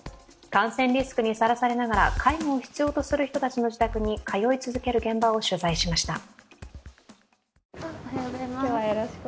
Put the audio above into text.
感染リスクにさらされながら介護を必要とする人たちの自宅に通い続ける現場を取材しました。